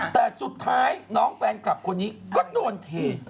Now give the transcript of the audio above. แต่สุดท้ายน้องแฟนคลับคนนี้ก็โดนเท